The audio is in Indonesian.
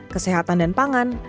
kesehatan dan pangan